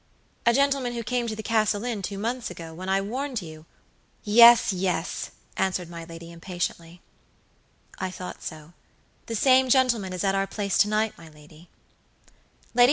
"A gentleman who came to the Castle Inn two months ago, when I warned you" "Yes, yes," answered my lady, impatiently. "I thought so. The same gentleman is at our place to night, my lady."